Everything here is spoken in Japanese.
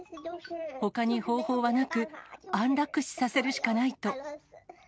ほかに方法はなく、安楽死させるしかないと。